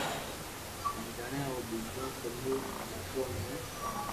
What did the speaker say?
ھين جڻي اورو ٻجو ڪنو پينتو تو مينک